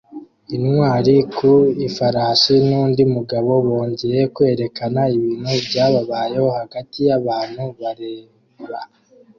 Intwari ku ifarashi nundi mugabo bongeye kwerekana ibintu byabayeho hagati yabantu bareba